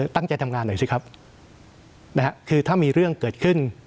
ตั้งใจทำงานหน่อยสิครับนะฮะคือถ้ามีเรื่องเกิดขึ้น